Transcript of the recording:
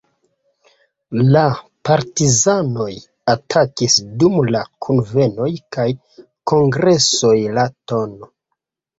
La "Partizanoj" atakis dum la kunvenoj kaj kongresoj la tn.